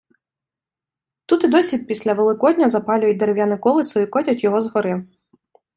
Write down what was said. Тут і досі після Великодня запалюють дерев’яне колесо і котять його з гори.